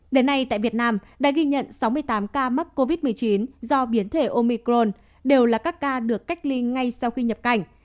đến nay tại việt nam đã ghi nhận sáu mươi tám ca mắc covid một mươi chín do biến thể omicron đều là các ca được cách ly ngay sau khi nhập cảnh